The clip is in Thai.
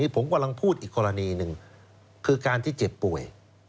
ผมกำลังพูดอีกกรณีหนึ่งคือการที่เจ็บป่วย